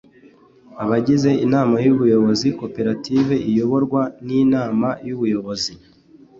abagize inama y'ubuyobozi koperative iyoborwa n'inama y'ubuyobozi